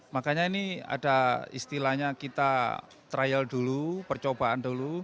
makanya ini ada istilahnya kita trial dulu percobaan dulu